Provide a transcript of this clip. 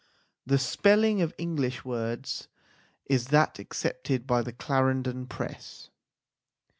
The spelling of English words is that accepted by the Clarendon Press.